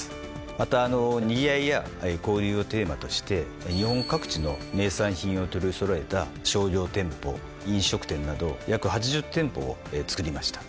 またにぎわいや交流をテーマとして日本各地の名産品を取り揃えた商業店舗飲食店など約８０店舗をつくりました。